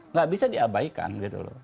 nggak bisa diabaikan gitu loh